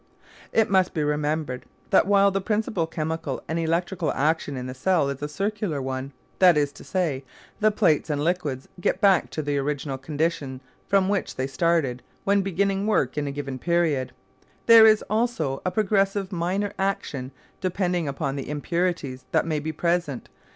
It must be remembered that while the principal chemical and electrical action in the cell is a circular one, that is to say, the plates and liquids get back to the original condition from which they started when beginning work in a given period, there is also a progressive minor action depending upon the impurities that may be present.